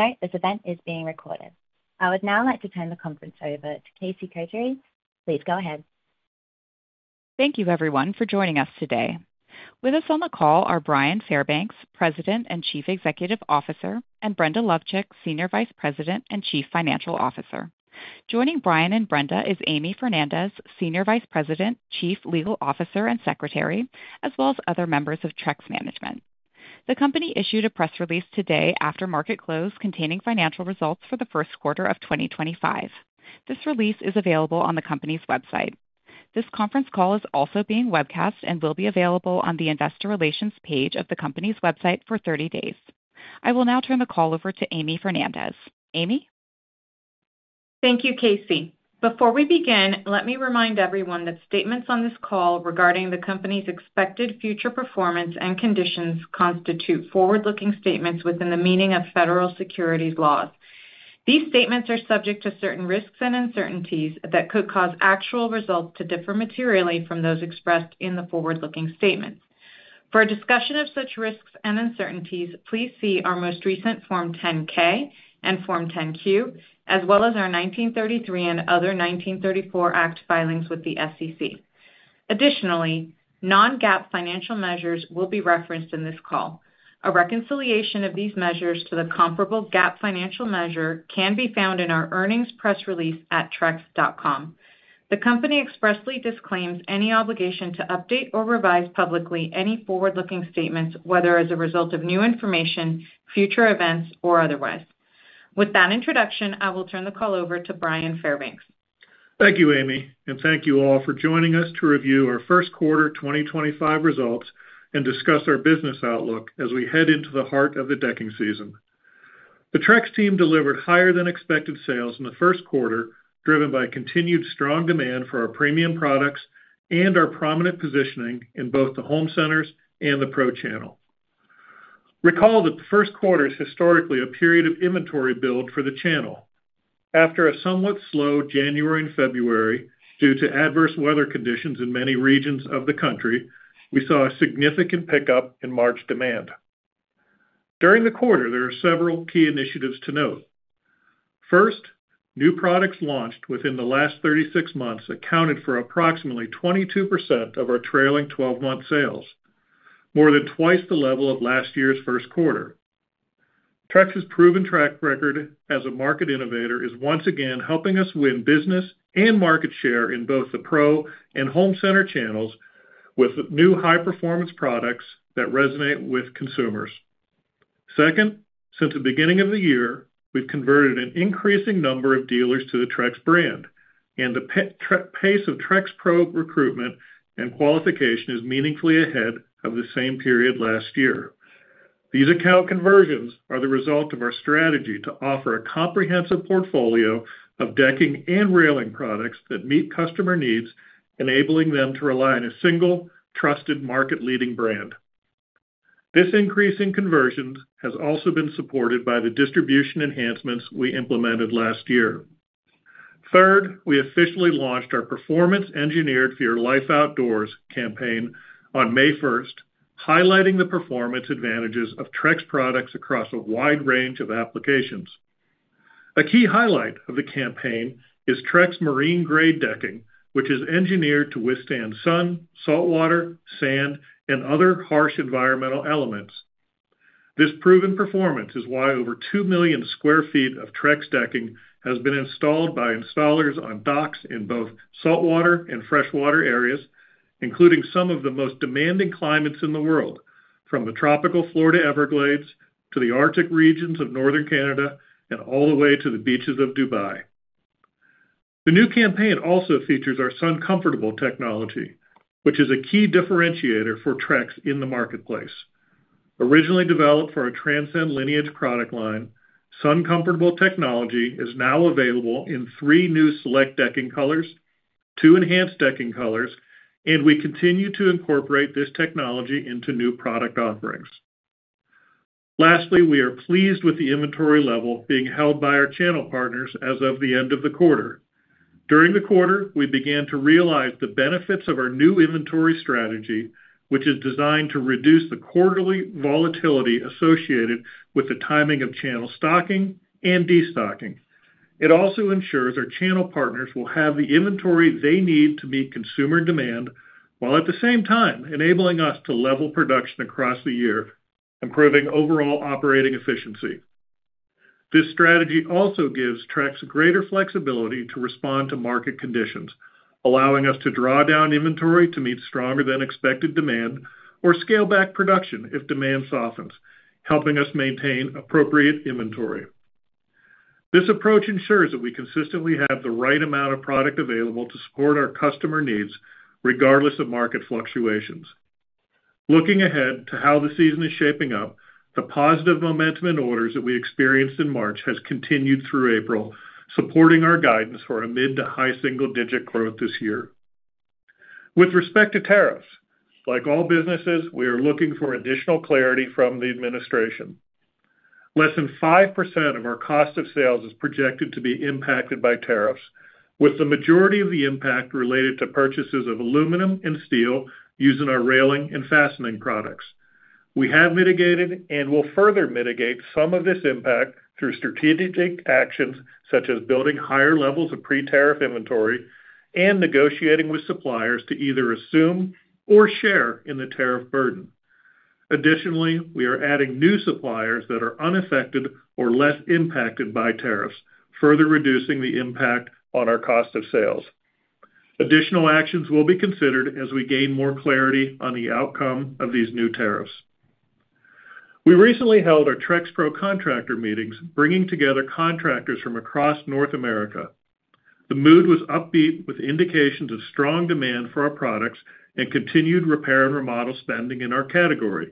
Okay, this event is being recorded. I would now like to turn the conference over to Casey Kotary. Please go ahead. Thank you, everyone, for joining us today. With us on the call are Bryan Fairbanks, President and Chief Executive Officer, and Brenda Lovcik, Senior Vice President and Chief Financial Officer. Joining Bryan and Brenda is Amy Fernandez, Senior Vice President, Chief Legal Officer, and Secretary, as well as other members of Trex Management. The company issued a press release today after market close containing financial results for the first quarter of 2025. This release is available on the company's website. This conference call is also being webcast and will be available on the Investor Relations page of the company's website for 30 days. I will now turn the call over to Amy Fernandez. Amy? Thank you, Casey. Before we begin, let me remind everyone that statements on this call regarding the company's expected future performance and conditions constitute forward-looking statements within the meaning of federal securities laws. These statements are subject to certain risks and uncertainties that could cause actual results to differ materially from those expressed in the forward-looking statements. For a discussion of such risks and uncertainties, please see our most recent Form 10-K and Form 10-Q, as well as our 1933 and other 1934 Act filings with the SEC. Additionally, non-GAAP financial measures will be referenced in this call. A reconciliation of these measures to the comparable GAAP financial measure can be found in our earnings press release at trex.com. The company expressly disclaims any obligation to update or revise publicly any forward-looking statements, whether as a result of new information, future events, or otherwise. With that introduction, I will turn the call over to Bryan Fairbanks. Thank you, Amy, and thank you all for joining us to review our first quarter 2025 results and discuss our business outlook as we head into the heart of the decking season. The Trex team delivered higher-than-expected sales in the first quarter, driven by continued strong demand for our premium products and our prominent positioning in both the home centers and the Pro Channel. Recall that the first quarter is historically a period of inventory build for the channel. After a somewhat slow January and February due to adverse weather conditions in many regions of the country, we saw a significant pickup in March demand. During the quarter, there are several key initiatives to note. First, new products launched within the last 36 months accounted for approximately 22% of our trailing 12-month sales, more than twice the level of last year's first quarter. Trex's proven track record as a market innovator is once again helping us win business and market share in both the Pro and Home Center channels with new high-performance products that resonate with consumers. Second, since the beginning of the year, we've converted an increasing number of dealers to the Trex brand, and the pace of Trex Pro recruitment and qualification is meaningfully ahead of the same period last year. These account conversions are the result of our strategy to offer a comprehensive portfolio of decking and railing products that meet customer needs, enabling them to rely on a single, trusted market-leading brand. This increase in conversions has also been supported by the distribution enhancements we implemented last year. Third, we officially launched our Performance Engineered for Your Life Outdoors campaign on May 1st, highlighting the performance advantages of Trex products across a wide range of applications. A key highlight of the campaign is Trex marine-grade decking, which is engineered to withstand sun, saltwater, sand, and other harsh environmental elements. This proven performance is why over 2 million sq ft of Trex decking has been installed by installers on docks in both saltwater and freshwater areas, including some of the most demanding climates in the world, from the tropical Florida Everglades to the Arctic regions of northern Canada and all the way to the beaches of Dubai. The new campaign also features our SunComfortable technology, which is a key differentiator for Trex in the marketplace. Originally developed for our Transcend Lineage product line, SunComfortable technology is now available in three new Select decking colors, two Enhance decking colors, and we continue to incorporate this technology into new product offerings. Lastly, we are pleased with the inventory level being held by our channel partners as of the end of the quarter. During the quarter, we began to realize the benefits of our new inventory strategy, which is designed to reduce the quarterly volatility associated with the timing of channel stocking and destocking. It also ensures our channel partners will have the inventory they need to meet consumer demand, while at the same time enabling us to level production across the year, improving overall operating efficiency. This strategy also gives Trex greater flexibility to respond to market conditions, allowing us to draw down inventory to meet stronger-than-expected demand or scale back production if demand softens, helping us maintain appropriate inventory. This approach ensures that we consistently have the right amount of product available to support our customer needs, regardless of market fluctuations. Looking ahead to how the season is shaping up, the positive momentum in orders that we experienced in March has continued through April, supporting our guidance for a mid to high single-digit growth this year. With respect to tariffs, like all businesses, we are looking for additional clarity from the administration. Less than 5% of our cost of sales is projected to be impacted by tariffs, with the majority of the impact related to purchases of aluminum and steel using our railing and fastening products. We have mitigated and will further mitigate some of this impact through strategic actions such as building higher levels of pre-tariff inventory and negotiating with suppliers to either assume or share in the tariff burden. Additionally, we are adding new suppliers that are unaffected or less impacted by tariffs, further reducing the impact on our cost of sales. Additional actions will be considered as we gain more clarity on the outcome of these new tariffs. We recently held our Trex Pro contractor meetings, bringing together contractors from across North America. The mood was upbeat, with indications of strong demand for our products and continued repair and remodel spending in our category.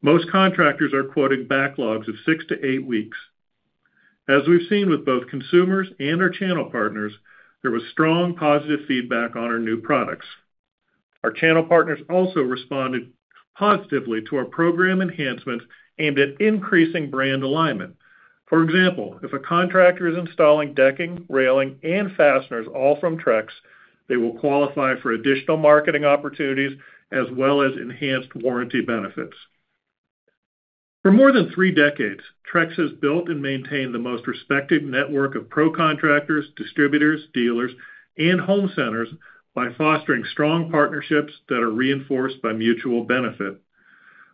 Most contractors are quoting backlogs of six to eight weeks. As we've seen with both consumers and our channel partners, there was strong positive feedback on our new products. Our channel partners also responded positively to our program enhancements aimed at increasing brand alignment. For example, if a contractor is installing decking, railing, and fasteners all from Trex, they will qualify for additional marketing opportunities as well as enhanced warranty benefits. For more than three decades, Trex has built and maintained the most respected network of Pro contractors, distributors, dealers, and home centers by fostering strong partnerships that are reinforced by mutual benefit.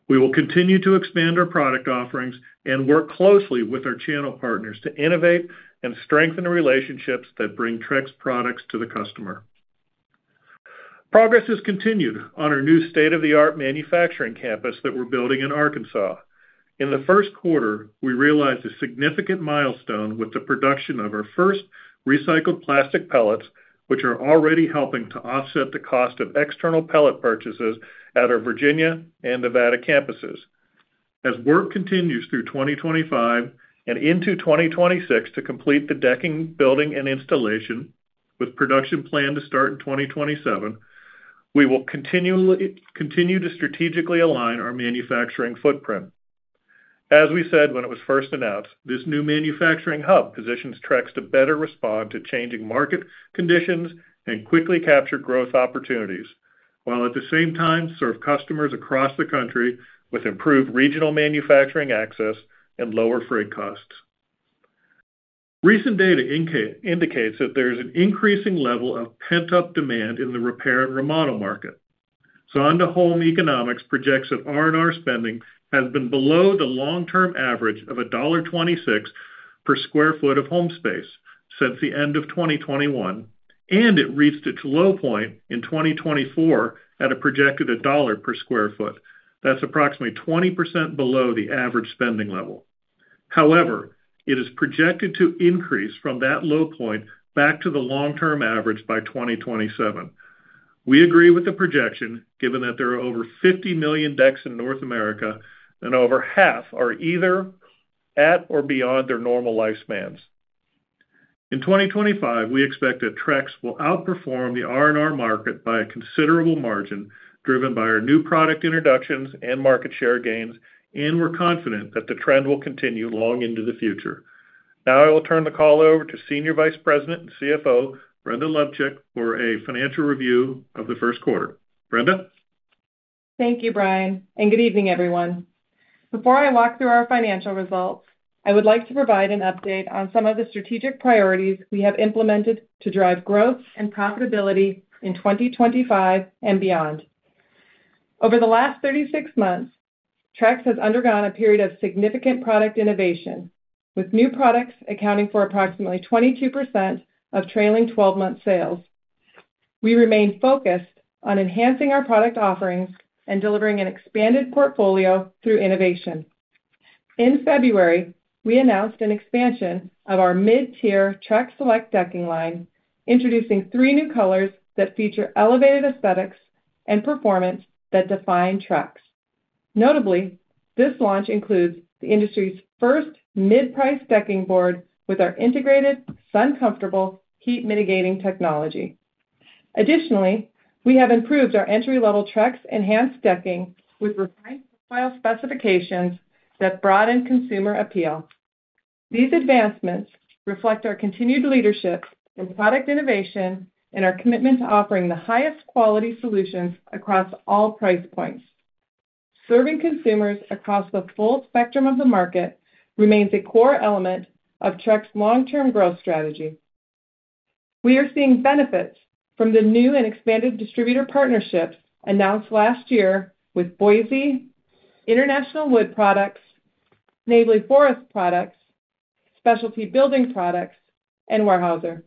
We will continue to expand our product offerings and work closely with our channel partners to innovate and strengthen the relationships that bring Trex products to the customer. Progress has continued on our new state-of-the-art manufacturing campus that we are building in Arkansas. In the first quarter, we realized a significant milestone with the production of our first recycled plastic pellets, which are already helping to offset the cost of external pellet purchases at our Virginia and Nevada campuses. As work continues through 2025 and into 2026 to complete the decking, building, and installation, with production planned to start in 2027, we will continue to strategically align our manufacturing footprint. As we said when it was first announced, this new manufacturing hub positions Trex to better respond to changing market conditions and quickly capture growth opportunities, while at the same time serve customers across the country with improved regional manufacturing access and lower freight costs. Recent data indicates that there is an increasing level of pent-up demand in the repair and remodel market. Sondaholm Economics projects that R&R spending has been below the long-term average of $1.26 per sq ft of home space since the end of 2021, and it reached its low point in 2024 at a projected $1 per sq ft. That's approximately 20% below the average spending level. However, it is projected to increase from that low point back to the long-term average by 2027. We agree with the projection, given that there are over 50 million decks in North America and over half are either at or beyond their normal lifespans. In 2025, we expect that Trex will outperform the R&R market by a considerable margin, driven by our new product introductions and market share gains, and we're confident that the trend will continue long into the future. Now, I will turn the call over to Senior Vice President and CFO, Brenda Lovcik, for a financial review of the first quarter. Brenda? Thank you, Bryan, and good evening, everyone. Before I walk through our financial results, I would like to provide an update on some of the strategic priorities we have implemented to drive growth and profitability in 2025 and beyond. Over the last 36 months, Trex has undergone a period of significant product innovation, with new products accounting for approximately 22% of trailing 12-month sales. We remain focused on enhancing our product offerings and delivering an expanded portfolio through innovation. In February, we announced an expansion of our mid-tier Trex Select decking line, introducing three new colors that feature elevated aesthetics and performance that define Trex. Notably, this launch includes the industry's first mid-price decking board with our integrated SunComfortable heat-mitigating technology. Additionally, we have improved our entry-level Trex Enhance decking with refined profile specifications that broaden consumer appeal. These advancements reflect our continued leadership in product innovation and our commitment to offering the highest quality solutions across all price points. Serving consumers across the full spectrum of the market remains a core element of Trex's long-term growth strategy. We are seeing benefits from the new and expanded distributor partnerships announced last year with Boise, International Wood Products, Snavely Forest Products, Specialty Building Products, and Weyerhaeuser.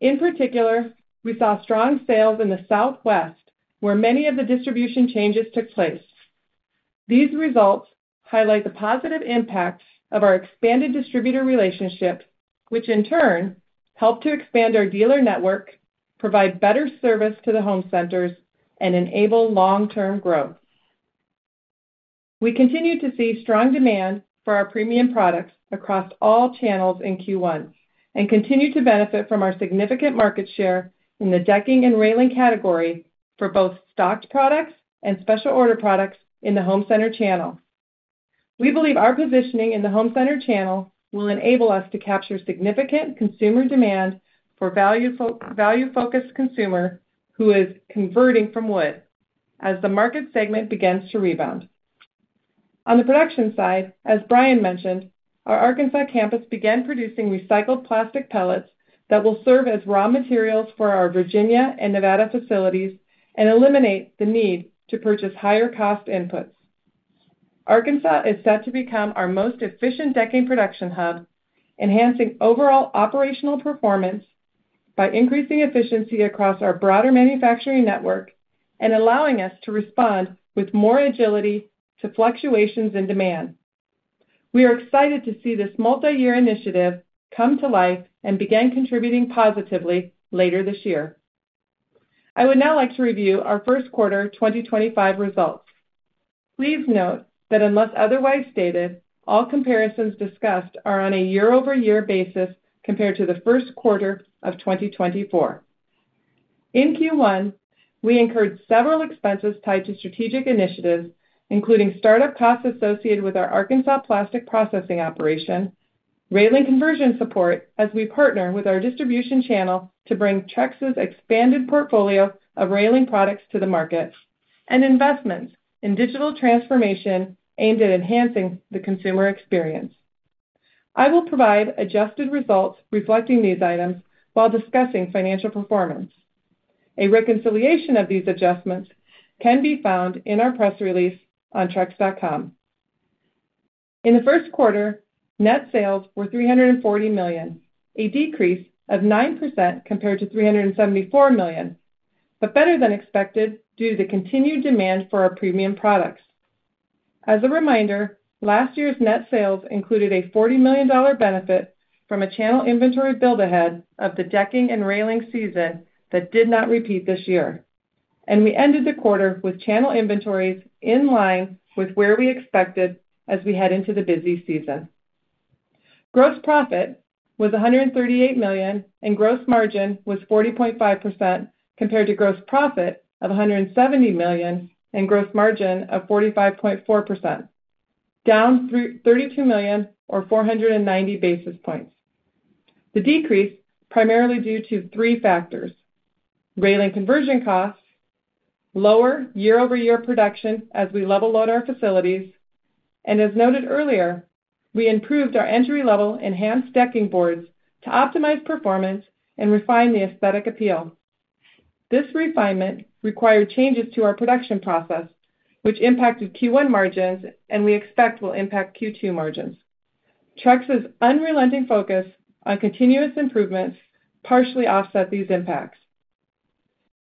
In particular, we saw strong sales in the Southwest, where many of the distribution changes took place. These results highlight the positive impacts of our expanded distributor relationship, which in turn helped to expand our dealer network, provide better service to the home centers, and enable long-term growth. We continue to see strong demand for our premium products across all channels in Q1 and continue to benefit from our significant market share in the decking and railing category for both stocked products and special order products in the home center channel. We believe our positioning in the home center channel will enable us to capture significant consumer demand for value-focused consumers who are converting from wood as the market segment begins to rebound. On the production side, as Bryan mentioned, our Arkansas campus began producing recycled plastic pellets that will serve as raw materials for our Virginia and Nevada facilities and eliminate the need to purchase higher-cost inputs. Arkansas is set to become our most efficient decking production hub, enhancing overall operational performance by increasing efficiency across our broader manufacturing network and allowing us to respond with more agility to fluctuations in demand. We are excited to see this multi-year initiative come to life and begin contributing positively later this year. I would now like to review our first quarter 2025 results. Please note that unless otherwise stated, all comparisons discussed are on a year-over-year basis compared to the first quarter of 2024. In Q1, we incurred several expenses tied to strategic initiatives, including startup costs associated with our Arkansas plastic processing operation, railing conversion support as we partner with our distribution channel to bring Trex's expanded portfolio of railing products to the market, and investments in digital transformation aimed at enhancing the consumer experience. I will provide adjusted results reflecting these items while discussing financial performance. A reconciliation of these adjustments can be found in our press release on trex.com. In the first quarter, net sales were $340 million, a decrease of 9% compared to $374 million, but better than expected due to the continued demand for our premium products. As a reminder, last year's net sales included a $40 million benefit from a channel inventory build-ahead of the decking and railing season that did not repeat this year, and we ended the quarter with channel inventories in line with where we expected as we head into the busy season. Gross profit was $138 million, and gross margin was 40.5% compared to gross profit of $170 million and gross margin of 45.4%, down $32 million or 490 basis points. The decrease was primarily due to three factors: railing conversion costs, lower year-over-year production as we leveled out our facilities, and as noted earlier, we improved our entry-level Enhanced decking boards to optimize performance and refine the aesthetic appeal. This refinement required changes to our production process, which impacted Q1 margins and we expect will impact Q2 margins. Trex's unrelenting focus on continuous improvements partially offset these impacts.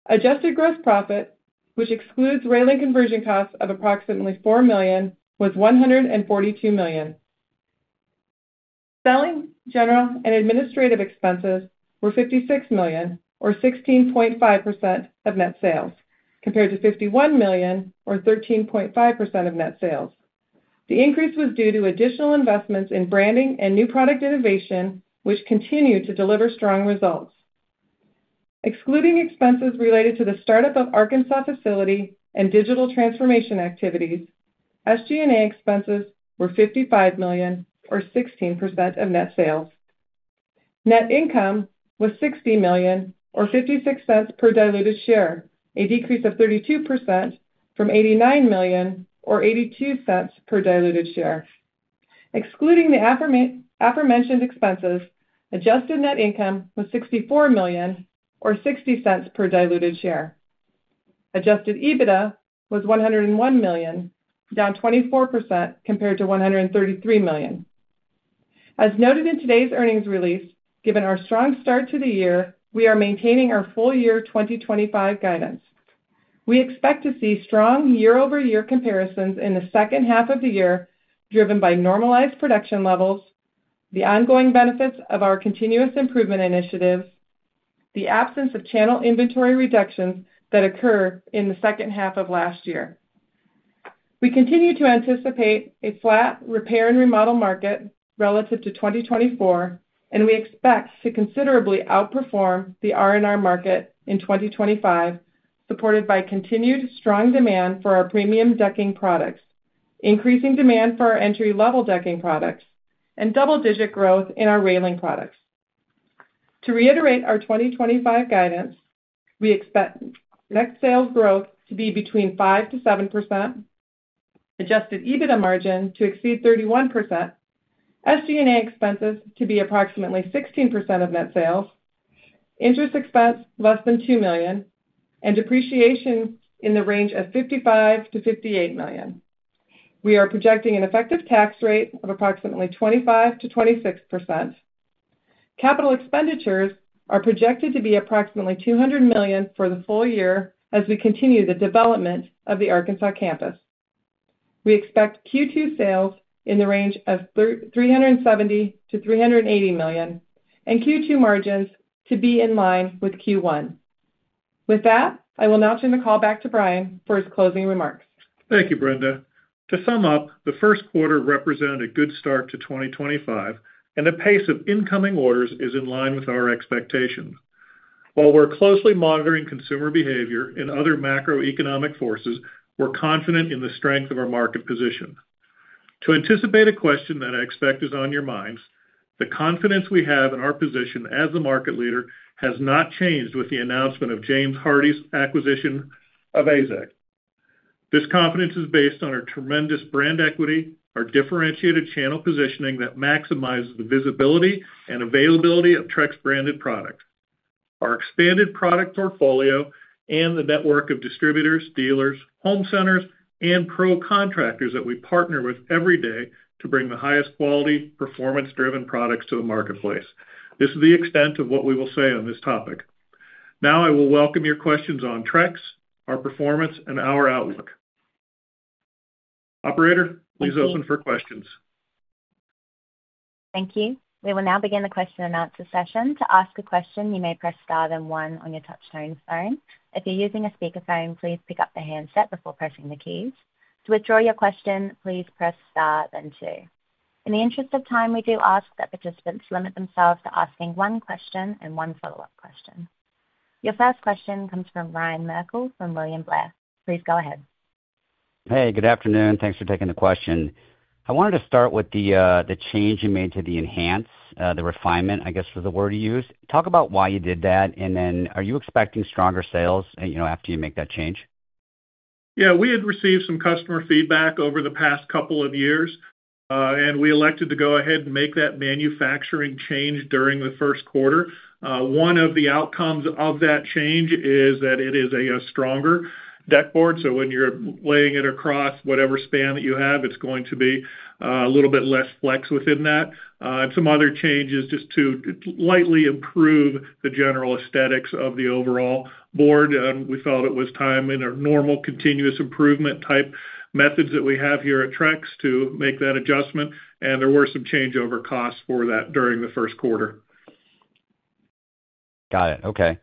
Adjusted gross profit, which excludes railing conversion costs of approximately $4 million, was $142 million. Selling, general, and administrative expenses were $56 million, or 16.5% of net sales, compared to $51 million, or 13.5% of net sales. The increase was due to additional investments in branding and new product innovation, which continued to deliver strong results. Excluding expenses related to the startup of Arkansas facility and digital transformation activities, SG&A expenses were $55 million, or 16% of net sales. Net income was $60 million, or $0.56 per diluted share, a decrease of 32% from $89 million, or $0.82 per diluted share. Excluding the aforementioned expenses, adjusted net income was $64 million, or $0.60 per diluted share. Adjusted EBITDA was $101 million, down 24% compared to $133 million. As noted in today's earnings release, given our strong start to the year, we are maintaining our full year 2025 guidance. We expect to see strong year-over-year comparisons in the second half of the year, driven by normalized production levels, the ongoing benefits of our continuous improvement initiatives, and the absence of channel inventory reductions that occurred in the second half of last year. We continue to anticipate a flat repair and remodel market relative to 2024, and we expect to considerably outperform the R&R market in 2025, supported by continued strong demand for our premium decking products, increasing demand for our entry-level decking products, and double-digit growth in our railing products. To reiterate our 2025 guidance, we expect net sales growth to be between 5%-7%, adjusted EBITDA margin to exceed 31%, SG&A expenses to be approximately 16% of net sales, interest expense less than $2 million, and depreciation in the range of $55 million-$58 million. We are projecting an effective tax rate of approximately 25%-26%. Capital expenditures are projected to be approximately $200 million for the full year as we continue the development of the Arkansas campus. We expect Q2 sales in the range of $370 million-$380 million and Q2 margins to be in line with Q1. With that, I will now turn the call back to Bryan for his closing remarks. Thank you, Brenda. To sum up, the first quarter represented a good start to 2025, and the pace of incoming orders is in line with our expectations. While we're closely monitoring consumer behavior and other macroeconomic forces, we're confident in the strength of our market position. To anticipate a question that I expect is on your minds, the confidence we have in our position as the market leader has not changed with the announcement of James Hardie's acquisition of AZEK. This confidence is based on our tremendous brand equity, our differentiated channel positioning that maximizes the visibility and availability of Trex branded products, our expanded product portfolio, and the network of distributors, dealers, home centers, and pro contractors that we partner with every day to bring the highest quality, performance-driven products to the marketplace. This is the extent of what we will say on this topic. Now, I will welcome your questions on Trex, our performance, and our outlook. Operator, please open for questions. Thank you. We will now begin the question and answer session. To ask a question, you may press Star then One on your touchscreen phone. If you're using a speakerphone, please pick up the handset before pressing the keys. To withdraw your question, please press Star then Two. In the interest of time, we do ask that participants limit themselves to asking one question and one follow-up question. Your first question comes from Ryan Merkel from William Blair. Please go ahead. Hey, good afternoon. Thanks for taking the question. I wanted to start with the change you made to the Enhance, the refinement, I guess, was the word you used. Talk about why you did that, and then are you expecting stronger sales after you make that change? Yeah, we had received some customer feedback over the past couple of years, and we elected to go ahead and make that manufacturing change during the first quarter. One of the outcomes of that change is that it is a stronger deck board, so when you're laying it across whatever span that you have, it's going to be a little bit less flex within that. Some other changes just to lightly improve the general aesthetics of the overall board. We felt it was time in our normal continuous improvement type methods that we have here at Trex to make that adjustment, and there were some changeover costs for that during the first quarter. Got it. Okay.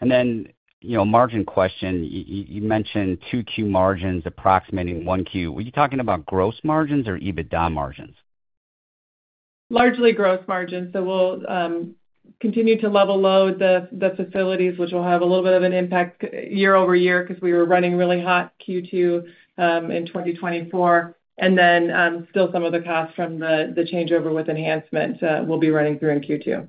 And then margin question, you mentioned 2Q margins approximating 1Q. Were you talking about gross margins or EBITDA margins? Largely gross margins. We'll continue to level out the facilities, which will have a little bit of an impact year over year because we were running really hot Q2 in 2024. Still, some of the costs from the changeover with enhancement will be running through in Q2.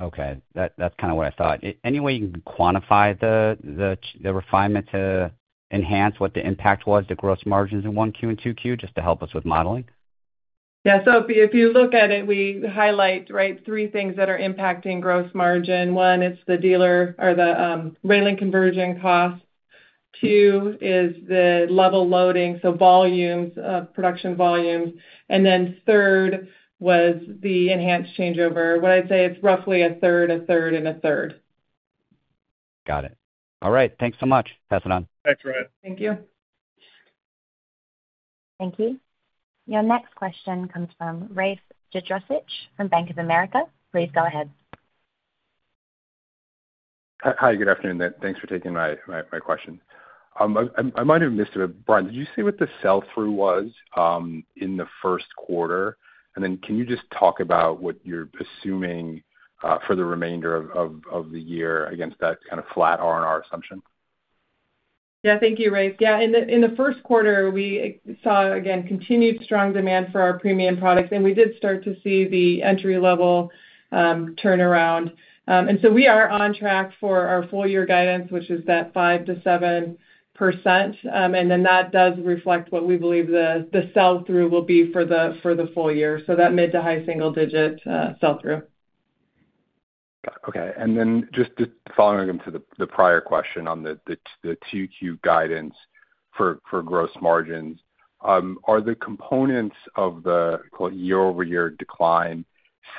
Okay. That's kind of what I thought. Any way you can quantify the refinement to Enhance, what the impact was, the gross margins in 1Q and 2Q, just to help us with modeling? Yeah. If you look at it, we highlight three things that are impacting gross margin. One, it's the dealer or the railing conversion cost. Two is the level loading, so volumes, production volumes. Third was the enhanced changeover. What I'd say, it's roughly a third, a third, and a third. Got it. All right. Thanks so much. Pass it on. Thanks, Bryan. Thank you. Thank you. Your next question comes from Rafe Jadrosich from Bank of America. Please go ahead. Hi, good afternoon. Thanks for taking my question. I might have missed it, but Bryan, did you see what the sell-through was in the first quarter? Can you just talk about what you're assuming for the remainder of the year against that kind of flat R&R assumption? Yeah, thank you, Rafe. Yeah. In the first quarter, we saw, again, continued strong demand for our premium products, and we did start to see the entry-level turnaround. We are on track for our full-year guidance, which is that 5%-7%. That does reflect what we believe the sell-through will be for the full year, so that mid to high single-digit sell-through. Okay. And then just following up to the prior question on the 2Q guidance for gross margins, are the components of the year-over-year decline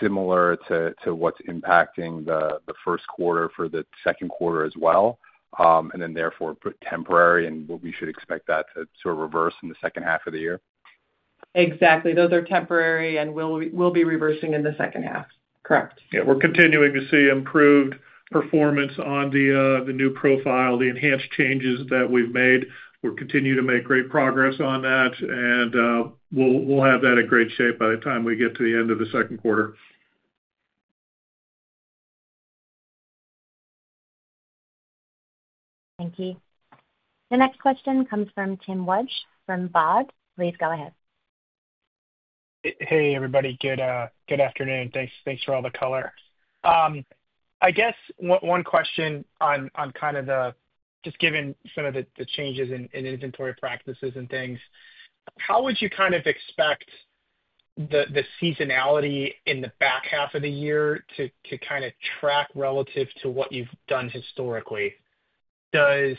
similar to what's impacting the first quarter for the second quarter as well, and then therefore temporary and what we should expect that to sort of reverse in the second half of the year? Exactly. Those are temporary and will be reversing in the second half. Correct. Yeah. We're continuing to see improved performance on the new profile, the enhanced changes that we've made. We're continuing to make great progress on that, and we'll have that in great shape by the time we get to the end of the second quarter. Thank you. The next question comes from Tim Wojs from Baird. Please go ahead. Hey, everybody. Good afternoon. Thanks for all the color. I guess one question on kind of the just given some of the changes in inventory practices and things, how would you kind of expect the seasonality in the back half of the year to kind of track relative to what you've done historically? Does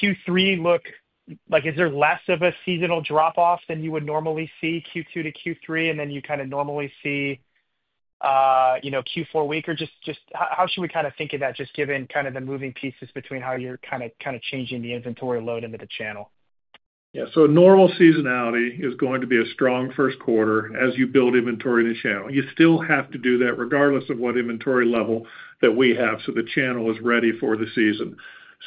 Q3 look like is there less of a seasonal drop-off than you would normally see Q2 to Q3, and then you kind of normally see Q4 weaker? Just how should we kind of think of that, just given kind of the moving pieces between how you're kind of changing the inventory load into the channel? Yeah. Normal seasonality is going to be a strong first quarter as you build inventory in the channel. You still have to do that regardless of what inventory level that we have so the channel is ready for the season.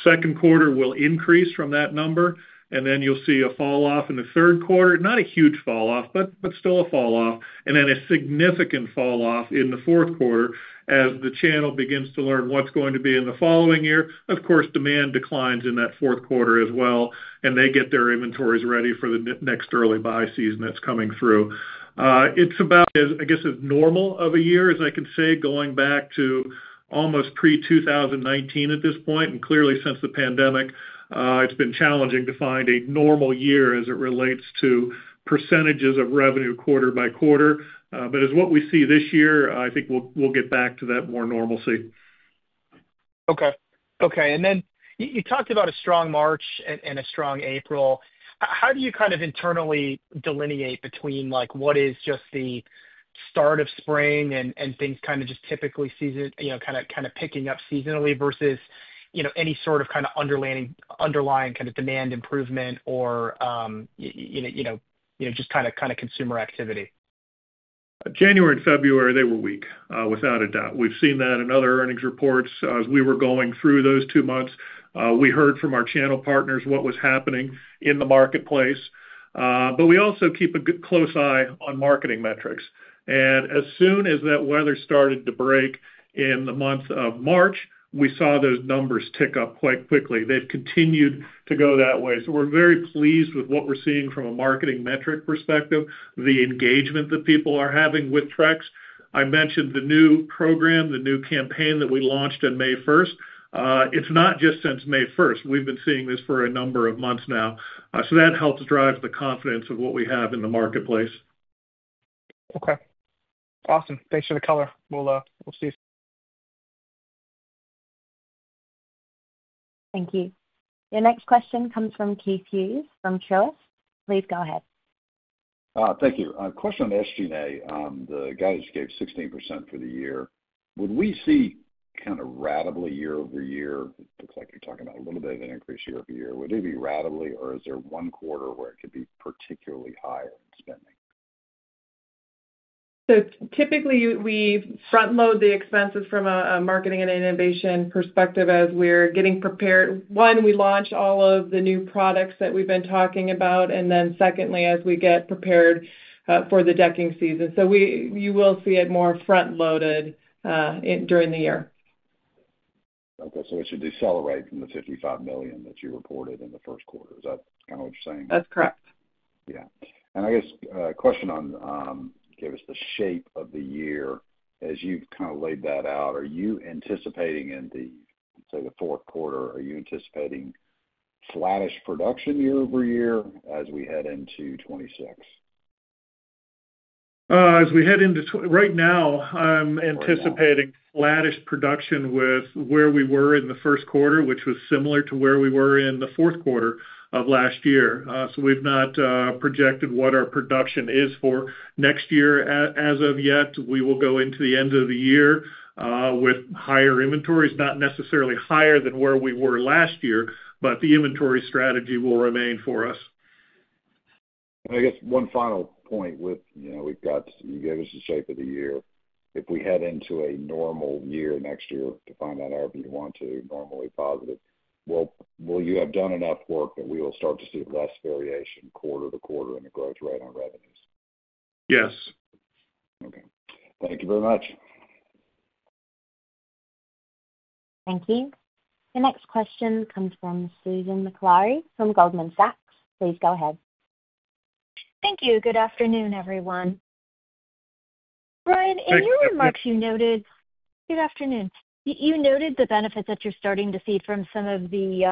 Second quarter will increase from that number, and then you'll see a fall-off in the third quarter. Not a huge fall-off, but still a fall-off. Then a significant fall-off in the fourth quarter as the channel begins to learn what's going to be in the following year. Of course, demand declines in that fourth quarter as well, and they get their inventories ready for the next early buy season that's coming through. It's about, I guess, as normal of a year as I can say, going back to almost pre-2019 at this point. Clearly, since the pandemic, it's been challenging to find a normal year as it relates to percentages of revenue quarter by quarter. As what we see this year, I think we'll get back to that more normalcy. Okay. Okay. You talked about a strong March and a strong April. How do you kind of internally delineate between what is just the start of spring and things kind of just typically picking up seasonally versus any sort of underlying demand improvement or just kind of consumer activity? January and February, they were weak without a doubt. We've seen that in other earnings reports as we were going through those two months. We heard from our channel partners what was happening in the marketplace. We also keep a close eye on marketing metrics. As soon as that weather started to break in the month of March, we saw those numbers tick up quite quickly. They've continued to go that way. We are very pleased with what we're seeing from a marketing metric perspective, the engagement that people are having with Trex. I mentioned the new program, the new campaign that we launched on May 1st. It's not just since May 1st. We've been seeing this for a number of months now. That helps drive the confidence of what we have in the marketplace. Okay. Awesome. Thanks for the color. We'll see. Thank you. Your next question comes from Keith Hughes from Truist. Please go ahead. Thank you. Question on SG&A. The guidance gave 16% for the year. Would we see kind of radically year-over-year? It looks like you're talking about a little bit of an increase year over year. Would it be radically, or is there one quarter where it could be particularly higher in spending? Typically, we front-load the expenses from a marketing and innovation perspective as we're getting prepared. One, we launch all of the new products that we've been talking about, and then secondly, as we get prepared for the decking season. You will see it more front-loaded during the year. Okay. So it should decelerate from the $55 million that you reported in the first quarter. Is that kind of what you're saying? That's correct. Yeah. I guess a question on gave us the shape of the year. As you've kind of laid that out, are you anticipating in the, say, the fourth quarter, are you anticipating flattish production year over year as we head into 2026? As we head into 2026, right now, I'm anticipating flattish production with where we were in the first quarter, which was similar to where we were in the fourth quarter of last year. We have not projected what our production is for next year as of yet. We will go into the end of the year with higher inventories, not necessarily higher than where we were last year, but the inventory strategy will remain for us. I guess one final point, you gave us the shape of the year. If we head into a normal year next year, define that R&R want to normally positive, will you have done enough work that we will start to see less variation quarter to quarter in the growth rate on revenues? Yes. Okay. Thank you very much. Thank you. The next question comes from Susan Maklari from Goldman Sachs. Please go ahead. Thank you. Good afternoon, everyone. Bryan, in your remarks, you noted good afternoon. You noted the benefits that you're starting to see from some of the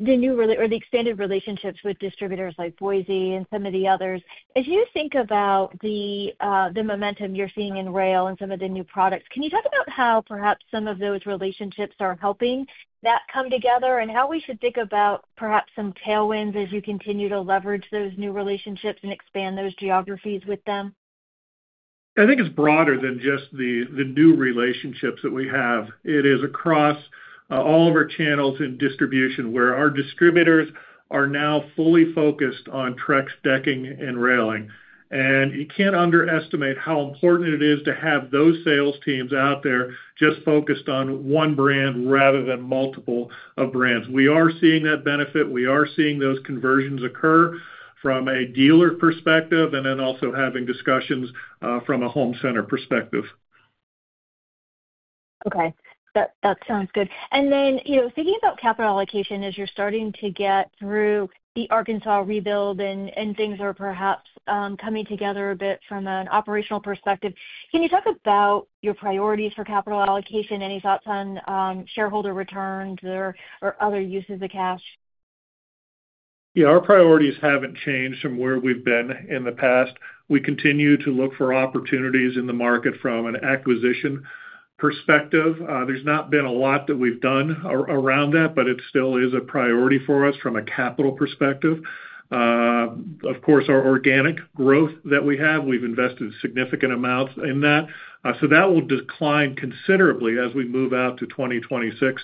new or the extended relationships with distributors like Boise and some of the others. As you think about the momentum you're seeing in rail and some of the new products, can you talk about how perhaps some of those relationships are helping that come together and how we should think about perhaps some tailwinds as you continue to leverage those new relationships and expand those geographies with them? I think it's broader than just the new relationships that we have. It is across all of our channels in distribution where our distributors are now fully focused on Trex decking and railing. You can't underestimate how important it is to have those sales teams out there just focused on one brand rather than multiple brands. We are seeing that benefit. We are seeing those conversions occur from a dealer perspective and then also having discussions from a home center perspective. Okay. That sounds good. Then thinking about capital allocation as you're starting to get through the Arkansas rebuild and things are perhaps coming together a bit from an operational perspective, can you talk about your priorities for capital allocation, any thoughts on shareholder returns or other uses of cash? Yeah. Our priorities haven't changed from where we've been in the past. We continue to look for opportunities in the market from an acquisition perspective. There's not been a lot that we've done around that, but it still is a priority for us from a capital perspective. Of course, our organic growth that we have, we've invested significant amounts in that. That will decline considerably as we move out to the 2026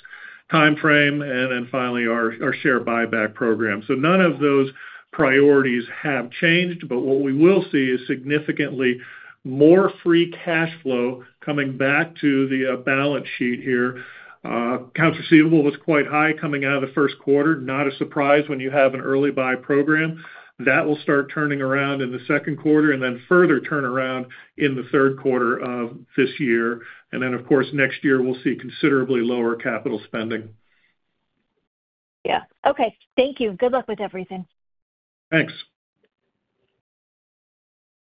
timeframe and then finally our share buyback program. None of those priorities have changed, but what we will see is significantly more free cash flow coming back to the balance sheet here. Accounts receivable was quite high coming out of the first quarter. Not a surprise when you have an early buy program. That will start turning around in the second quarter and then further turn around in the third quarter of this year. Of course, next year, we'll see considerably lower capital spending. Yeah. Okay. Thank you. Good luck with everything. Thanks.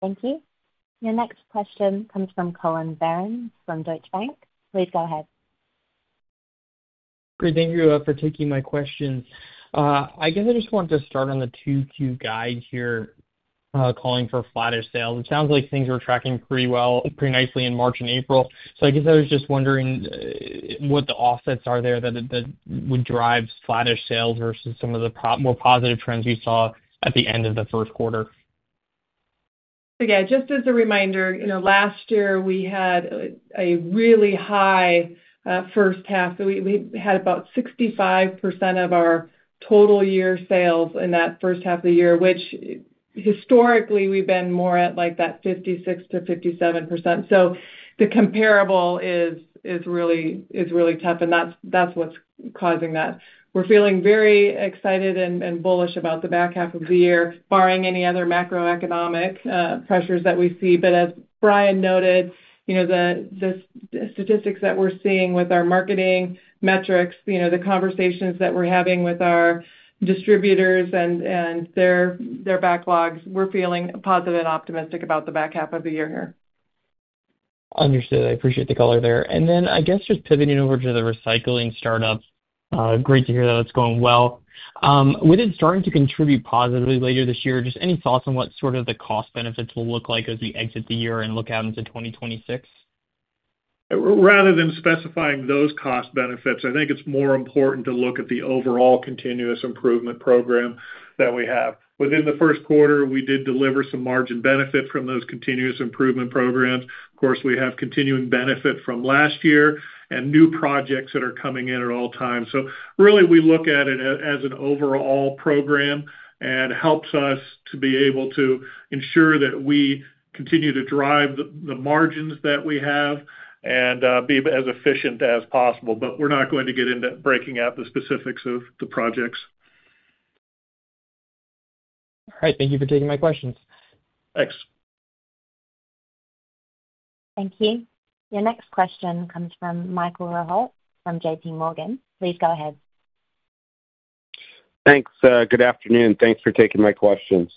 Thank you. Your next question comes from Collin Verron from Deutsche Bank. Please go ahead. Great. Thank you for taking my questions. I guess I just wanted to start on the 2Q guide here calling for flattish sales. It sounds like things were tracking pretty well, pretty nicely in March and April. I guess I was just wondering what the offsets are there that would drive flattish sales versus some of the more positive trends we saw at the end of the first quarter. Yeah, just as a reminder, last year, we had a really high first half. We had about 65% of our total year sales in that first half of the year, which historically, we've been more at like that 56%-57%. The comparable is really tough, and that's what's causing that. We're feeling very excited and bullish about the back half of the year, barring any other macroeconomic pressures that we see. As Bryan noted, the statistics that we're seeing with our marketing metrics, the conversations that we're having with our distributors and their backlogs, we're feeling positive and optimistic about the back half of the year here. Understood. I appreciate the color there. I guess just pivoting over to the recycling startup, great to hear that it's going well. With it starting to contribute positively later this year, just any thoughts on what sort of the cost benefits will look like as we exit the year and look out into 2026? Rather than specifying those cost benefits, I think it's more important to look at the overall continuous improvement program that we have. Within the first quarter, we did deliver some margin benefit from those continuous improvement programs. Of course, we have continuing benefit from last year and new projects that are coming in at all times. Really, we look at it as an overall program and it helps us to be able to ensure that we continue to drive the margins that we have and be as efficient as possible. We're not going to get into breaking out the specifics of the projects. All right. Thank you for taking my questions. Thanks. Thank you. Your next question comes from Michael Rehaut from JPMorgan. Please go ahead. Thanks. Good afternoon. Thanks for taking my questions.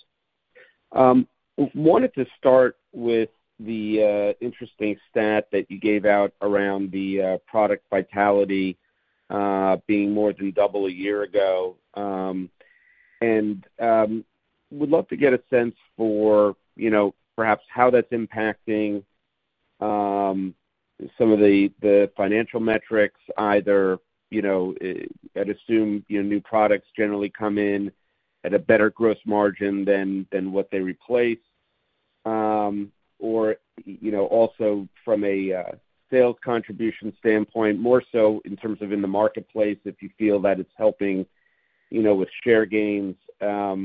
Wanted to start with the interesting stat that you gave out around the product vitality being more than double a year ago. Would love to get a sense for perhaps how that's impacting some of the financial metrics, either I'd assume new products generally come in at a better gross margin than what they replace, or also from a sales contribution standpoint, more so in terms of in the marketplace, if you feel that it's helping with share gains, and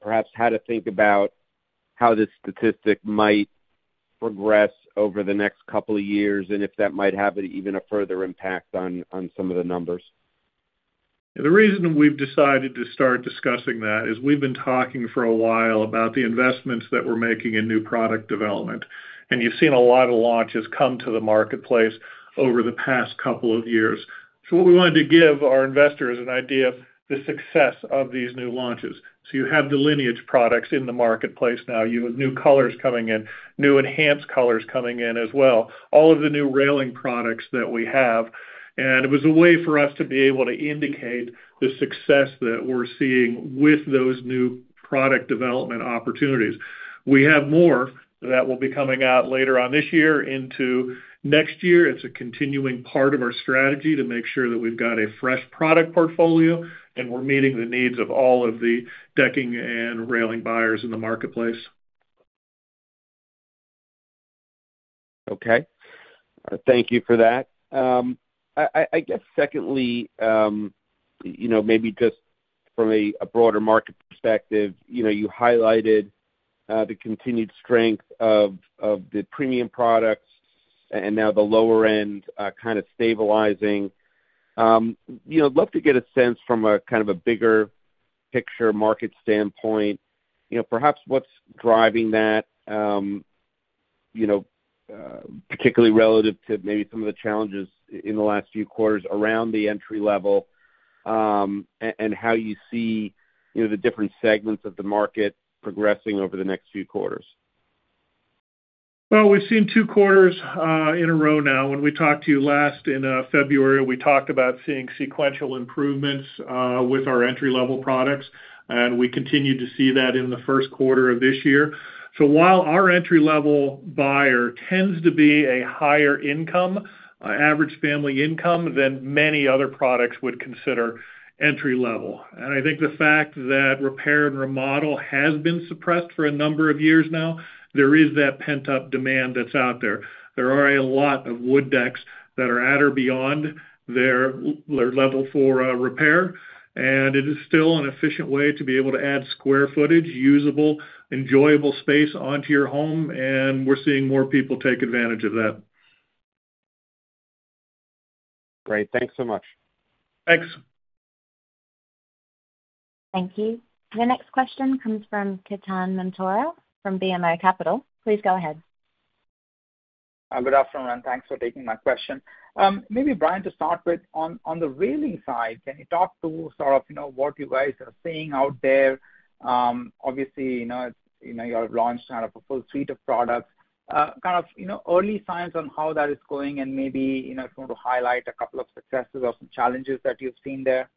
perhaps how to think about how this statistic might progress over the next couple of years and if that might have even a further impact on some of the numbers. The reason we've decided to start discussing that is we've been talking for a while about the investments that we're making in new product development. You've seen a lot of launches come to the marketplace over the past couple of years. What we wanted to give our investors is an idea of the success of these new launches. You have the Lineage products in the marketplace now. You have new colors coming in, new Enhanced colors coming in as well, all of the new railing products that we have. It was a way for us to be able to indicate the success that we're seeing with those new product development opportunities. We have more that will be coming out later on this year into next year. It's a continuing part of our strategy to make sure that we've got a fresh product portfolio and we're meeting the needs of all of the decking and railing buyers in the marketplace. Okay. Thank you for that. I guess secondly, maybe just from a broader market perspective, you highlighted the continued strength of the premium products and now the lower end kind of stabilizing. I'd love to get a sense from a kind of a bigger picture market standpoint, perhaps what's driving that, particularly relative to maybe some of the challenges in the last few quarters around the entry level and how you see the different segments of the market progressing over the next few quarters. We have seen two quarters in a row now. When we talked to you last in February, we talked about seeing sequential improvements with our entry-level products. We continue to see that in the first quarter of this year. While our entry-level buyer tends to be a higher income, average family income, than many other products would consider entry-level, I think the fact that repair and remodel has been suppressed for a number of years now, there is that pent-up demand that is out there. There are a lot of wood decks that are at or beyond their level for repair. It is still an efficient way to be able to add square footage, usable, enjoyable space onto your home. We are seeing more people take advantage of that. Great. Thanks so much. Thanks. Thank you. The next question comes from Ketan Mamtora from BMO Capital. Please go ahead. Good afternoon, and thanks for taking my question. Maybe Bryan, to start with, on the railing side, can you talk to sort of what you guys are seeing out there? Obviously, you have launched kind of a full suite of products. Kind of early signs on how that is going and maybe if you want to highlight a couple of successes or some challenges that you've seen there.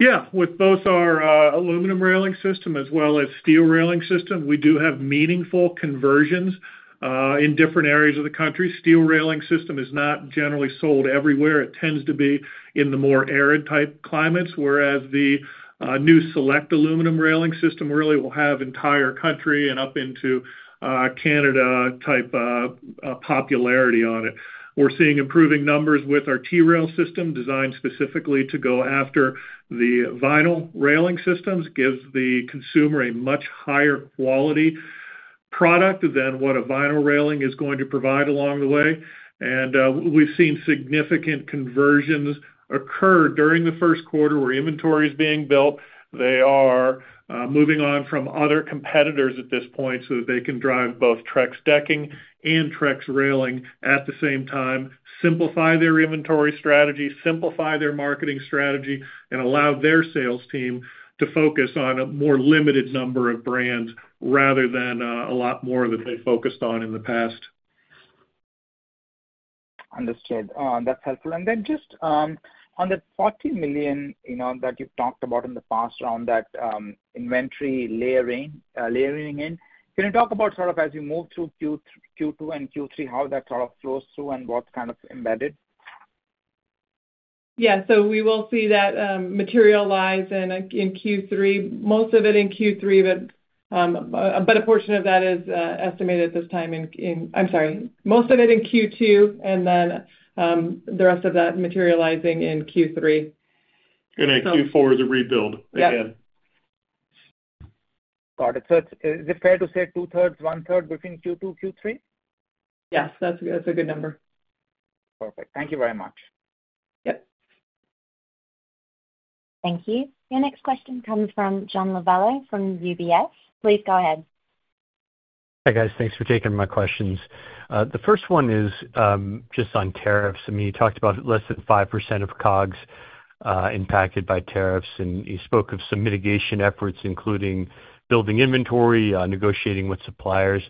Yeah. With both our aluminum railing system as well as steel railing system, we do have meaningful conversions in different areas of the country. Steel railing system is not generally sold everywhere. It tends to be in the more arid-type climates, whereas the new Select aluminum railing system really will have entire country and up into Canada-type popularity on it. We're seeing improving numbers with our T-Rail system designed specifically to go after the vinyl railing systems. It gives the consumer a much higher quality product than what a vinyl railing is going to provide along the way. We've seen significant conversions occur during the first quarter where inventory is being built. They are moving on from other competitors at this point so that they can drive both Trex decking and Trex railing at the same time, simplify their inventory strategy, simplify their marketing strategy, and allow their sales team to focus on a more limited number of brands rather than a lot more that they focused on in the past. Understood. That's helpful. And then just on the $40 million that you've talked about in the past around that inventory layering in, can you talk about sort of as you move through Q2 and Q3, how that sort of flows through and what's kind of embedded? Yeah. So we will see that materialize in Q3, most of it in Q3, but a portion of that is estimated at this time in, I'm sorry, most of it in Q2 and then the rest of that materializing in Q3. Q4 is a rebuild again. Got it. So is it fair to say two-thirds, one-third between Q2 and Q3? Yes. That's a good number. Perfect. Thank you very much. Yep. Thank you. Your next question comes from John Lovallo from UBS. Please go ahead. Hi guys. Thanks for taking my questions. The first one is just on tariffs. I mean, you talked about less than 5% of COGS impacted by tariffs, and you spoke of some mitigation efforts, including building inventory, negotiating with suppliers.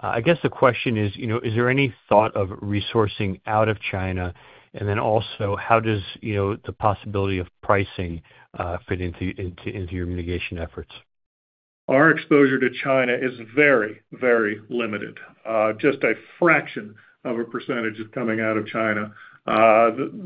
I guess the question is, is there any thought of resourcing out of China? Also, how does the possibility of pricing fit into your mitigation efforts? Our exposure to China is very, very limited. Just a fraction of a percentage is coming out of China.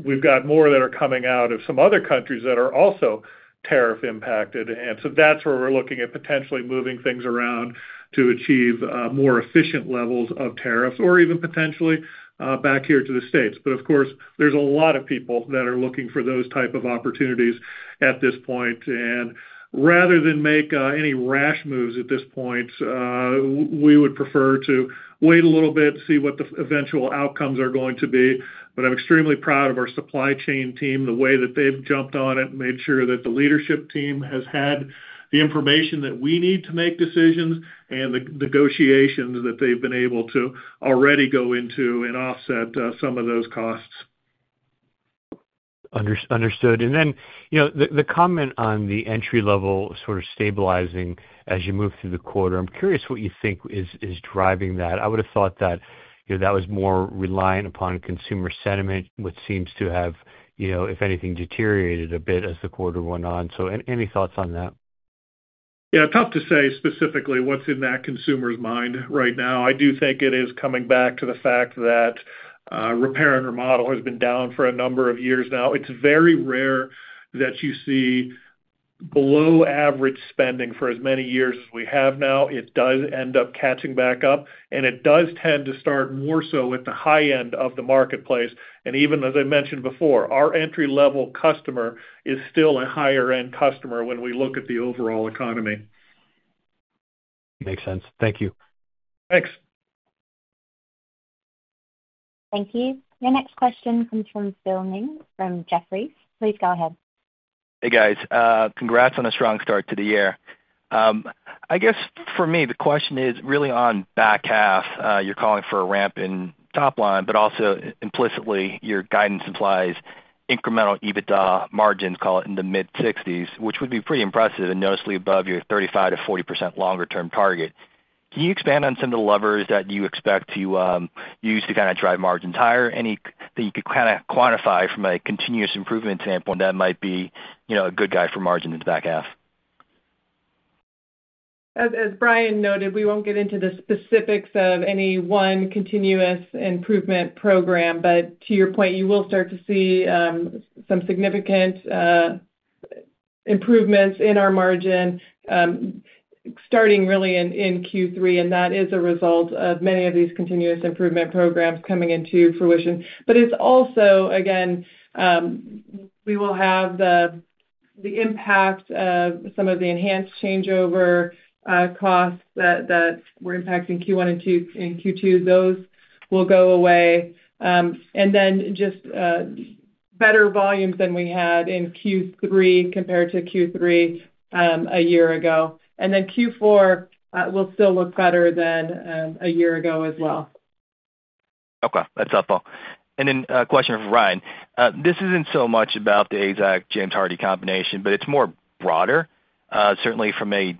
We've got more that are coming out of some other countries that are also tariff impacted. That is where we're looking at potentially moving things around to achieve more efficient levels of tariffs or even potentially back here to the States. Of course, there are a lot of people that are looking for those types of opportunities at this point. Rather than make any rash moves at this point, we would prefer to wait a little bit, see what the eventual outcomes are going to be. I'm extremely proud of our supply chain team, the way that they've jumped on it, made sure that the leadership team has had the information that we need to make decisions and the negotiations that they've been able to already go into and offset some of those costs. Understood. Then the comment on the entry-level sort of stabilizing as you move through the quarter, I'm curious what you think is driving that. I would have thought that that was more reliant upon consumer sentiment, which seems to have, if anything, deteriorated a bit as the quarter went on. Any thoughts on that? Yeah. Tough to say specifically what's in that consumer's mind right now. I do think it is coming back to the fact that repair and remodel has been down for a number of years now. It's very rare that you see below-average spending for as many years as we have now. It does end up catching back up, and it does tend to start more so at the high end of the marketplace. Even as I mentioned before, our entry-level customer is still a higher-end customer when we look at the overall economy. Makes sense. Thank you. Thanks. Thank you. Your next question comes from Phil Ng from Jefferies. Please go ahead. Hey, guys. Congrats on a strong start to the year. I guess for me, the question is really on back half. You're calling for a ramp in top line, but also implicitly, your guidance implies incremental EBITDA margins, call it in the mid-60%, which would be pretty impressive and noticeably above your 35%-40% longer-term target. Can you expand on some of the levers that you expect to use to kind of drive margins higher? Anything you could kind of quantify from a continuous improvement standpoint that might be a good guy for margins in the back half? As Bryan noted, we won't get into the specifics of any one continuous improvement program. To your point, you will start to see some significant improvements in our margin starting really in Q3. That is a result of many of these continuous improvement programs coming into fruition. It's also, again, we will have the impact of some of the enhanced changeover costs that were impacting Q1 and Q2. Those will go away. Just better volumes than we had in Q3 compared to Q3 a year ago. Q4 will still look better than a year ago as well. Okay. That's helpful. Then a question for Bryan. This isn't so much about the AZEK/James Hardie combination, but it's more broader. Certainly, from a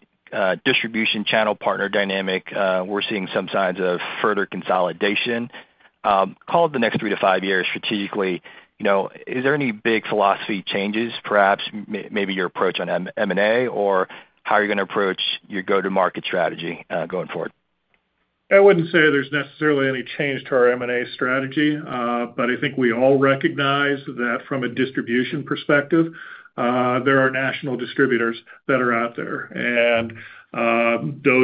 distribution channel partner dynamic, we're seeing some signs of further consolidation. Call it the next three to five years strategically. Is there any big philosophy changes, perhaps maybe your approach on M&A or how you're going to approach your go-to-market strategy going forward? I wouldn't say there's necessarily any change to our M&A strategy. I think we all recognize that from a distribution perspective, there are national distributors that are out there. Those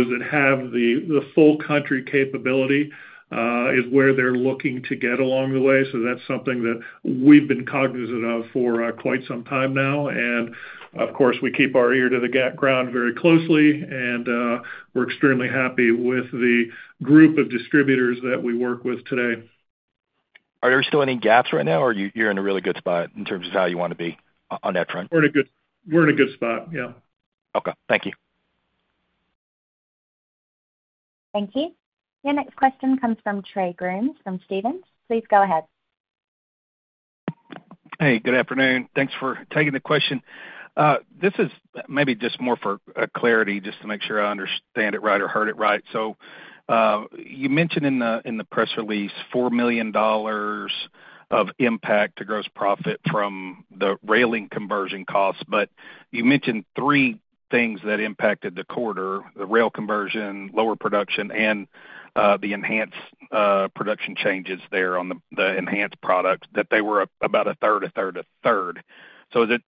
that have the full country capability is where they're looking to get along the way. That's something that we've been cognizant of for quite some time now. Of course, we keep our ear to the ground very closely. We're extremely happy with the group of distributors that we work with today. Are there still any gaps right now, or you're in a really good spot in terms of how you want to be on that front? We're in a good spot. Yeah. Okay. Thank you. Thank you. Your next question comes from Trey Grooms from Stephens. Please go ahead. Hey, good afternoon. Thanks for taking the question. This is maybe just more for clarity, just to make sure I understand it right or heard it right. You mentioned in the press release $4 million of impact to gross profit from the railing conversion costs. You mentioned three things that impacted the quarter: the rail conversion, lower production, and the enhanced production changes there on the enhanced products, that they were about a third, a third, a third.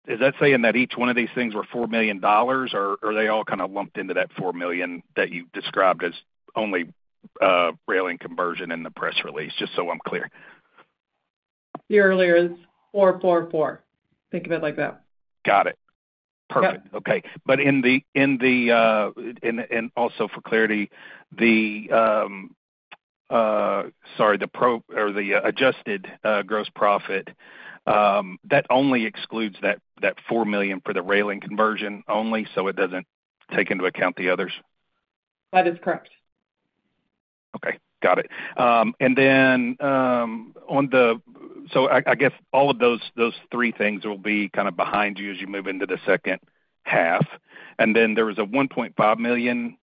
Is that saying that each one of these things were $4 million, or are they all kind of lumped into that $4 million that you described as only railing conversion in the press release, just so I'm clear? The earlier is $4 million, $4 million, $4 million. Think of it like that. Got it. Perfect. Okay. In the, and also for clarity, the—sorry—the adjusted gross profit, that only excludes that $4 million for the railing conversion only, so it doesn't take into account the others? That is correct. Okay. Got it. Then on the—so I guess all of those three things will be kind of behind you as you move into the second half. Then there was a $1.5 million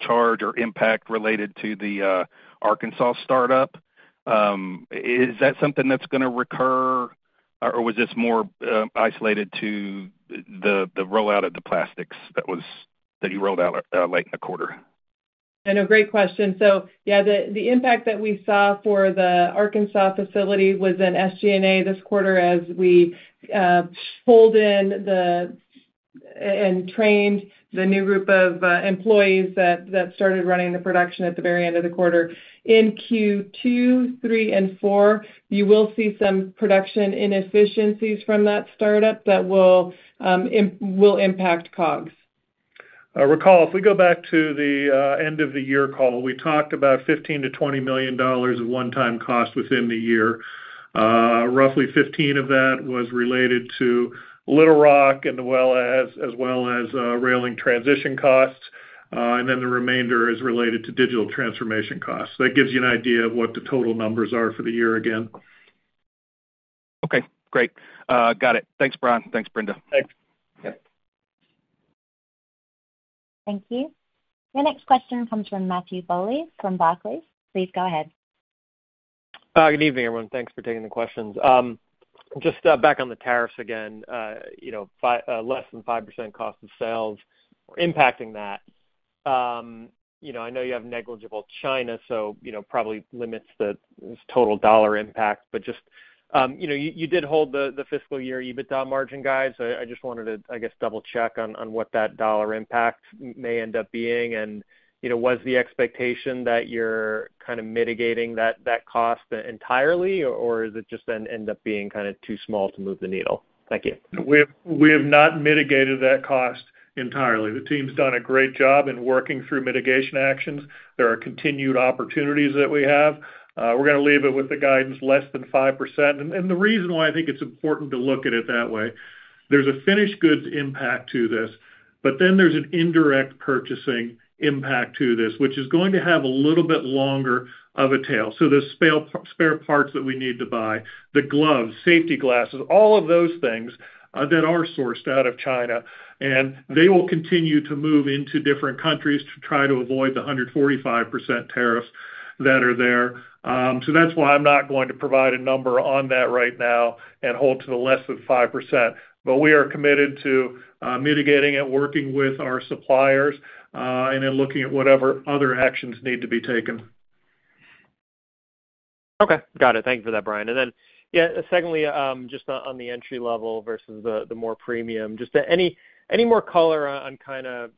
charge or impact related to the Arkansas startup. Is that something that's going to recur, or was this more isolated to the rollout of the plastics that you rolled out late in the quarter? I know. Great question. So yeah, the impact that we saw for the Arkansas facility was in SG&A this quarter as we pulled in and trained the new group of employees that started running the production at the very end of the quarter. In Q2, Q3, and Q4, you will see some production inefficiencies from that startup that will impact COGS. Recall, if we go back to the end of the year call, we talked about $15-$20 million of one-time cost within the year. Roughly $15 million of that was related to Little Rock as well as railing transition costs. The remainder is related to digital transformation costs. That gives you an idea of what the total numbers are for the year again. Okay. Great. Got it. Thanks, Bryan. Thanks, Brenda. Thanks. Thank you. Your next question comes from Matthew Bouley from Barclays. Please go ahead. Good evening, everyone. Thanks for taking the questions. Just back on the tariffs again, less than 5% cost of sales impacting that. I know you have negligible China, so probably limits the total dollar impact. I just wanted to, I guess, double-check on what that dollar impact may end up being. Was the expectation that you're kind of mitigating that cost entirely, or is it just then end up being kind of too small to move the needle? Thank you. We have not mitigated that cost entirely. The team's done a great job in working through mitigation actions. There are continued opportunities that we have. We're going to leave it with the guidance less than 5%. The reason why I think it's important to look at it that way, there's a finished goods impact to this, but then there's an indirect purchasing impact to this, which is going to have a little bit longer of a tail. The spare parts that we need to buy, the gloves, safety glasses, all of those things that are sourced out of China. They will continue to move into different countries to try to avoid the 145% tariffs that are there. That's why I'm not going to provide a number on that right now and hold to the less than 5%. We are committed to mitigating it, working with our suppliers, and then looking at whatever other actions need to be taken. Okay. Got it. Thank you for that, Bryan. Then, yeah, secondly, just on the entry-level versus the more premium, just any more color on kind of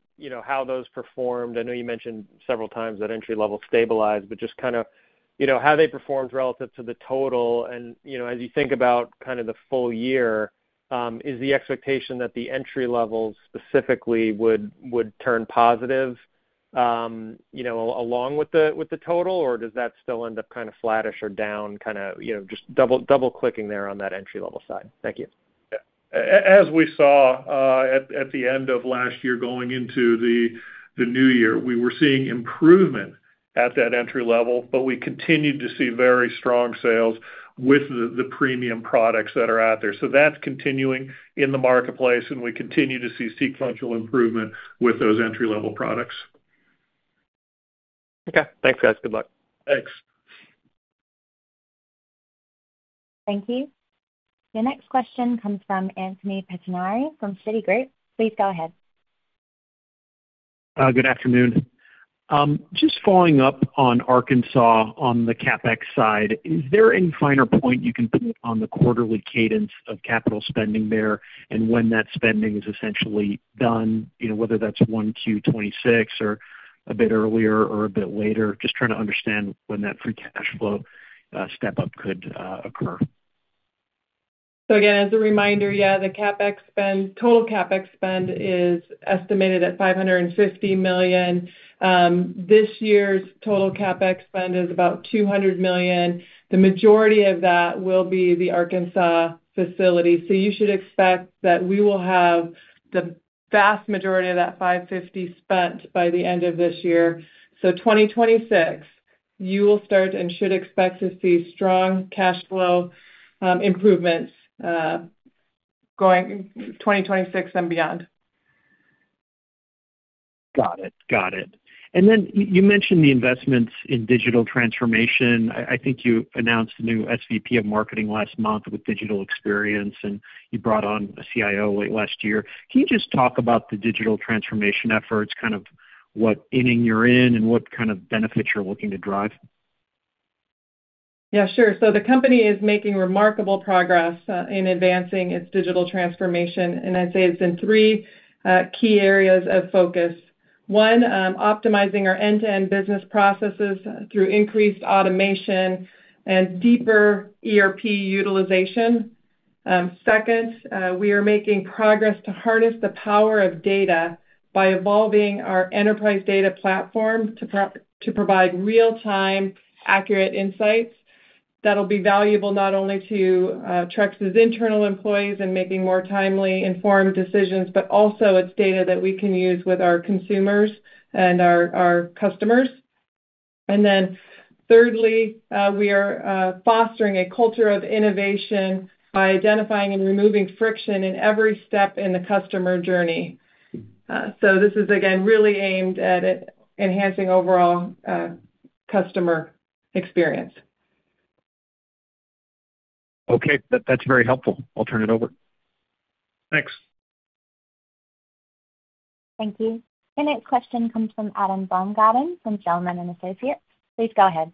how those performed? I know you mentioned several times that entry-level stabilized, but just kind of how they performed relative to the total. As you think about kind of the full year, is the expectation that the entry-level specifically would turn positive along with the total, or does that still end up kind of flattish or down, kind of just double-clicking there on that entry-level side? Thank you. As we saw at the end of last year going into the new year, we were seeing improvement at that entry level, but we continued to see very strong sales with the premium products that are out there. That is continuing in the marketplace, and we continue to see sequential improvement with those entry-level products. Okay. Thanks, guys. Good luck. Thanks. Thank you. Your next question comes from Anthony Pettinari from Citigroup. Please go ahead. Good afternoon. Just following up on Arkansas on the CapEx side, is there any finer point you can put on the quarterly cadence of capital spending there and when that spending is essentially done, whether that's 1Q 2026 or a bit earlier or a bit later? Just trying to understand when that free cash flow step-up could occur. Again, as a reminder, yeah, the total CapEx spend is estimated at $550 million. This year's total CapEx spend is about $200 million. The majority of that will be the Arkansas facility. You should expect that we will have the vast majority of that $550 million spent by the end of this year. 2026, you will start and should expect to see strong cash flow improvements going 2026 and beyond. Got it. Got it. You mentioned the investments in digital transformation. I think you announced a new SVP of Marketing last month with digital experience, and you brought on a CIO late last year. Can you just talk about the digital transformation efforts, kind of what inning you're in and what kind of benefits you're looking to drive? Yeah, sure. The company is making remarkable progress in advancing its digital transformation. I'd say it's in three key areas of focus. One, optimizing our end-to-end business processes through increased automation and deeper ERP utilization. Second, we are making progress to harness the power of data by evolving our enterprise data platform to provide real-time, accurate insights that will be valuable not only to Trex's internal employees in making more timely, informed decisions, but also it's data that we can use with our consumers and our customers. Thirdly, we are fostering a culture of innovation by identifying and removing friction in every step in the customer journey. This is, again, really aimed at enhancing overall customer experience. Okay. That's very helpful. I'll turn it over. Thanks. Thank you. Your next question comes from Adam Baumgarten from Zelman & Associates. Please go ahead.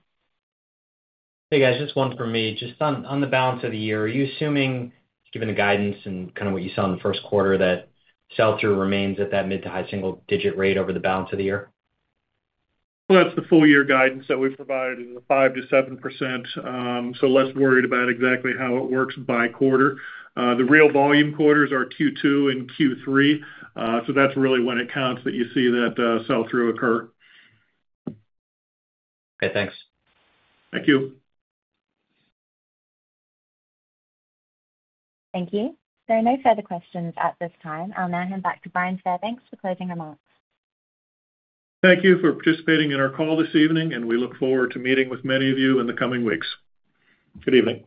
Hey, guys. Just one for me. Just on the balance of the year, are you assuming, given the guidance and kind of what you saw in the first quarter, that sell-through remains at that mid-to-high single-digit rate over the balance of the year? That's the full-year guidance that we've provided. It's a 5%-7%. Less worried about exactly how it works by quarter. The real volume quarters are Q2 and Q3. That's really when it counts that you see that sell-through occur. Okay. Thanks. Thank you. Thank you. There are no further questions at this time. I'll now hand back to Bryan Fairbanks for closing remarks. Thank you for participating in our call this evening, and we look forward to meeting with many of you in the coming weeks. Good evening.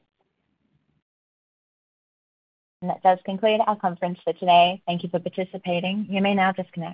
That does conclude our conference for today. Thank you for participating. You may now disconnect.